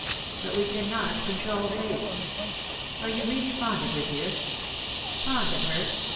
But we cannot control fate. Are you really fond of her, dear?" " Fond of her